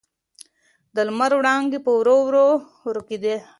د لمر وړانګې په ورو ورو ورکېدې.